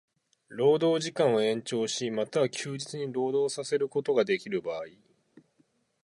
労働時間を延長し、又は休日に労働させることができる場合